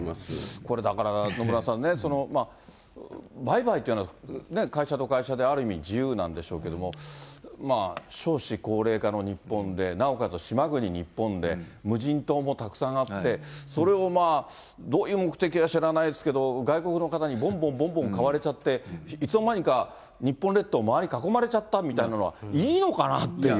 これだから、野村さんね、売買というのは、会社と会社である意味、自由なんでしょうけども、少子高齢化の日本で、なおかつ島国日本で、無人島もたくさんあって、それをどういう目的か知らないですけど、外国の方にぼんぼんぼんぼん買われちゃって、いつのまにか日本列島、周り囲まれちゃったみたいなのはいいのかなっていう。